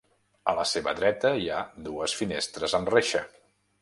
A la seva dreta hi ha dues finestres amb reixa.